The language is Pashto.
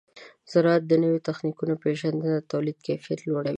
د زراعت د نوو تخنیکونو پیژندنه د تولید کیفیت لوړوي.